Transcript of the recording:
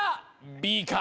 Ｂか？